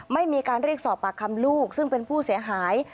ไม่มีการเรียกสอบปากคำลูกซึ่งเป็นผู้เสียหาย